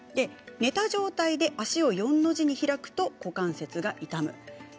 寝た状態で足を４の字に開くと股関節が痛む。